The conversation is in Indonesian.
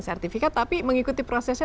sertifikat tapi mengikuti prosesnya